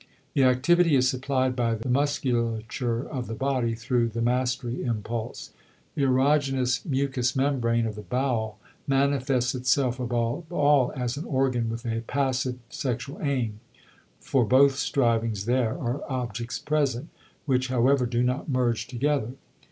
The activity is supplied by the musculature of the body through the mastery impulse; the erogenous mucous membrane of the bowel manifests itself above all as an organ with a passive sexual aim, for both strivings there are objects present, which however do not merge together.